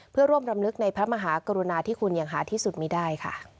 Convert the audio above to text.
เพื่อร่วมรำลึกในพระมหากรุณาที่คุณอย่างหาที่สุดมีได้ค่ะ